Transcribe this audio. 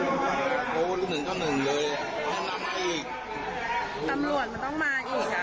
โอ้หนึ่งก็หนึ่งเลยอ่ะแค่น้ำให้อีกตำรวจมันต้องมาอีกอ่ะ